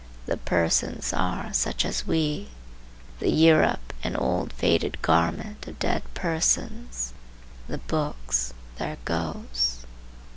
The persons are such as we; the Europe, an old faded garment of dead persons; the books, their ghosts.